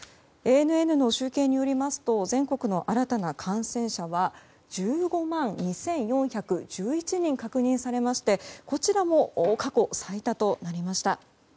ＡＮＮの集計によりますと全国の新たな感染者は１５万２４１１人確認されましてこちらも過去最多となりました。